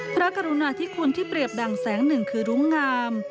กรุณาธิคุณที่เปรียบดังแสงหนึ่งคือรุ้งงาม